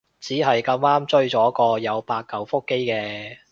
只係咁啱追咗個有八舊腹肌嘅